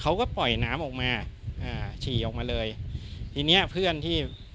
เขาก็ปล่อยน้ำออกมาอ่าฉี่ออกมาเลยทีเนี้ยเพื่อนที่